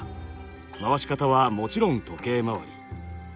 回し方はもちろん時計回り。